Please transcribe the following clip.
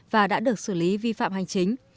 và đã được xử lý vi phạm hành chính